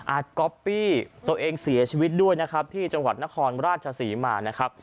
ก๊อปปี้ตัวเองเสียชีวิตด้วยนะครับที่จังหวัดนครราชศรีมานะครับ